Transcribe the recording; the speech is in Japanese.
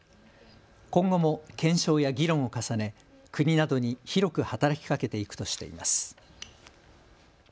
今後も検証や議論を重ね国などに広く働きかけていくとしています。